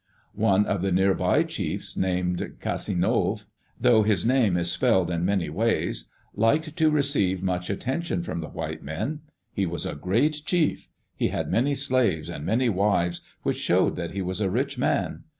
One of the near by chiefs, named Casinove — though his name is spelled in many ways — liked to receive much attention from the white men. He was a great chief. He had many slaves and many wives, which showed that he was a rich man.